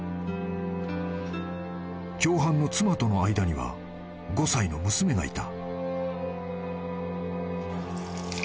［共犯の妻との間には５歳の娘がいた］